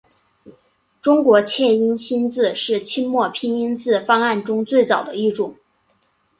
中国切音新字是清末拼音字方案中最早的一种。